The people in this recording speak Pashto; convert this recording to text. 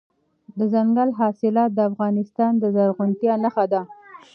دځنګل حاصلات د افغانستان د زرغونتیا نښه ده.